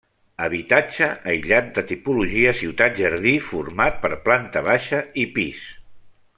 Habitatge aïllat de tipologia ciutat-jardí format per planta baixa i pis.